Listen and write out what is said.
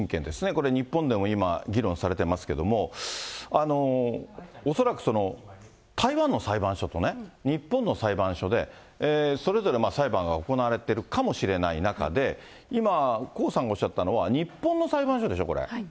これ、日本でも今、議論されていますけれども、恐らく、台湾の裁判所とね、日本の裁判所で、それぞれ裁判が行われているかもしれない中で、今、江さんがおっしゃったのは、日本の裁判所でしょ、これ。